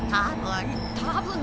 たぶん。